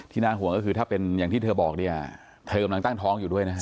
น่าห่วงก็คือถ้าเป็นอย่างที่เธอบอกเนี่ยเธอกำลังตั้งท้องอยู่ด้วยนะฮะ